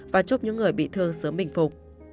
và chúc những người bị thương sớm bình phục